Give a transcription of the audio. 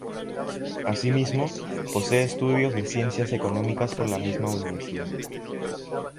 Asimismo, posee estudios de Ciencias Económicas por la misma universidad.